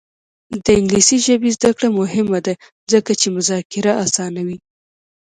د انګلیسي ژبې زده کړه مهمه ده ځکه چې مذاکره اسانوي.